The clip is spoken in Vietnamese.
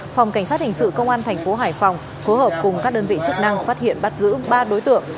phòng cảnh sát hình sự công an thành phố hải phòng phối hợp cùng các đơn vị chức năng phát hiện bắt giữ ba đối tượng